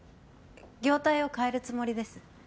業態を変えるつもりです